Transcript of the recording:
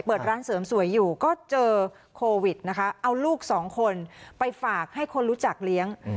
เปิดร้านเสริมสวยอยู่ก็เจอโควิดนะคะเอาลูกสองคนไปฝากให้คนรู้จักเลี้ยง